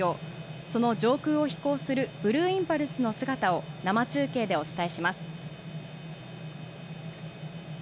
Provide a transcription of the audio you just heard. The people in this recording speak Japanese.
その上空を飛行するブルーインパルスの姿を、生中継でお伝えします。